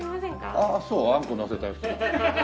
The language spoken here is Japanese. ああそうあんこのせたり。